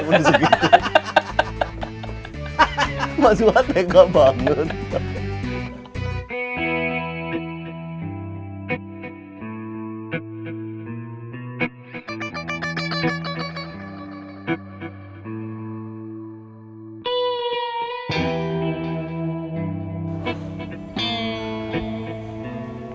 mau di segitu